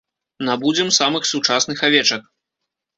Набудзем самых сучасных авечак.